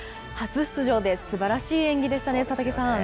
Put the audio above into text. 初出場ですばらしい演技でしたね。